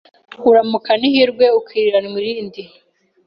Uramukana ihirwe ukiriranwa irindi